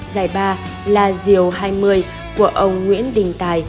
giải ba là diều hai mươi của ông nguyễn đình tài